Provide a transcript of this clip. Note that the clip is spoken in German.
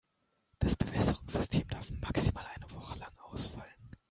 Das Bewässerungssystem darf maximal eine Woche lang ausfallen.